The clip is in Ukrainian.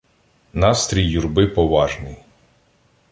Настрій юрби поважний.